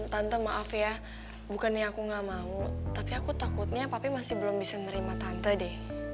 tante maaf ya bukannya aku gak mau tapi aku takutnya tapi masih belum bisa nerima tante deh